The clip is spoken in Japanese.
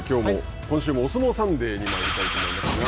今週も「おすもうサンデー」にまいりたいと思います。